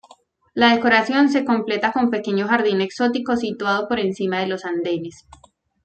La decoración se completa con pequeño jardín exótico situado por encima de los andenes.